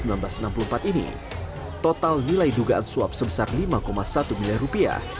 di tahun seribu sembilan ratus enam puluh empat ini total nilai dugaan suap sebesar lima satu miliar rupiah